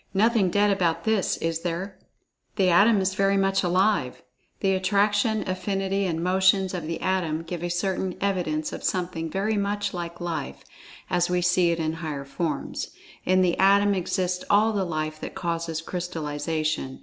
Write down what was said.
Nothing "dead" about this, is there? The Atom is "very much alive." The Attraction; Affinity; and Motions, of the Atom, give a certain evidence of something "very much like Life," as we see it in higher forms. In the Atom exists all the Life that causes crystallization.